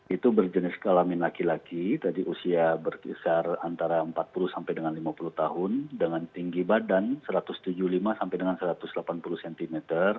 itu berjenis kelamin laki laki tadi usia berkisar antara empat puluh sampai dengan lima puluh tahun dengan tinggi badan satu ratus tujuh puluh lima sampai dengan satu ratus delapan puluh cm